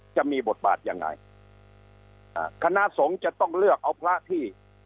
จะมีบทบาทยังไงอ่าคณะสงฆ์จะต้องเลือกเอาพระที่